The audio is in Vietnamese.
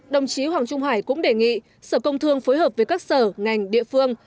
đồng chí hoàng trung hải cũng đề nghị sở công thương phối hợp với các sở ngành địa phương